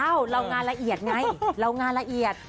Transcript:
เรางานละเอียดไงเรางานละเอียด